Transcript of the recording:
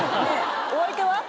お相手は？